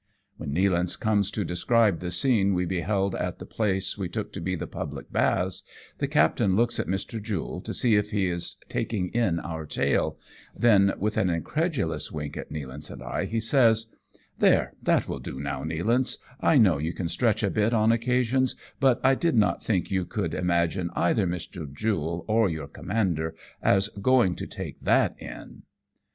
When Nealance comes to describe the scene we beheld at the place we took to be the public baths, the captain looks at Mr. Jule to see if he is taking in our tale, then, with an incredulous wink at Nealance and I, he says, " There, that will do now, Nealance ; I know you can stretch a bit on occasions, but I did not think you could imagine either Mr. Jule or your commander is going to take that in."